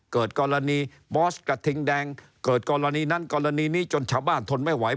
เกิดกรณีบอสกระทิงแดงเกิดกรณีนั้นกรณีนี้จนชาวบ้านทนไม่ไหว